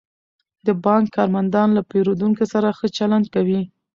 د بانک کارمندان له پیرودونکو سره ښه چلند کوي.